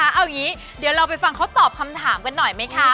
เอาอย่างนี้เดี๋ยวเราไปฟังเขาตอบคำถามกันหน่อยไหมคะ